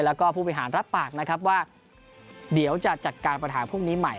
แล้วก็ผู้บริหารรับปากนะครับว่าเดี๋ยวจะจัดการปัญหาพรุ่งนี้ใหม่